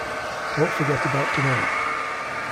Don't forget about tomorrow.